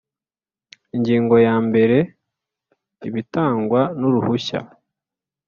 Ingingo ya mbere Ibitangwa n uruhushya